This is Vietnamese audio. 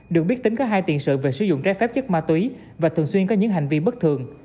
được biết tính có hai tiền sự về sử dụng trái phép chất ma túy và thường xuyên có những hành vi bất thường